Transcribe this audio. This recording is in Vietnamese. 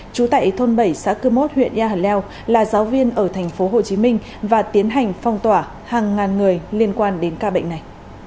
trú tại thôn bảy xã cư mốt huyện yà leo là giáo viên ở tp hcm và tiến hành phong tỏa hàng ngàn người liên quan đến ca bệnh này